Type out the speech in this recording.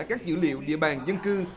các dữ liệu địa bàn dân cư